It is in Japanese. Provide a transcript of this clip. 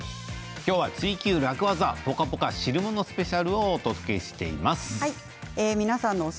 今日は「ツイＱ楽ワザ」ポカポカ汁物スペシャルをお届けしています。